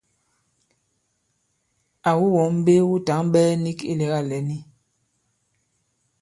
Àwu wɔ̌ŋ mbe wu tǎŋ ɓɛ̄ɛ nik ilɛ̀gâ lɛ̀n i?